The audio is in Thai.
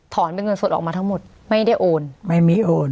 ถอนเป็นเงินสดออกมาทั้งหมดไม่ได้โอน